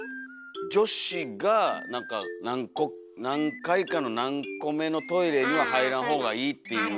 女子がなんか何階かの何個目のトイレには入らんほうがいいっていう。